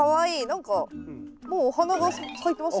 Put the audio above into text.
何かもうお花が咲いてますよ。